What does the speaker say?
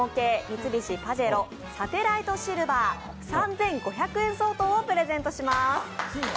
三菱パジェロサテライトシルバー、３５００円相当をプレゼントします。